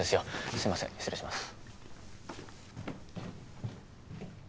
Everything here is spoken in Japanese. すいません失礼します。